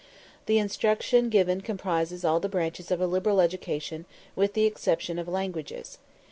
The instruction given comprises all the branches of a liberal education, with the exception of languages.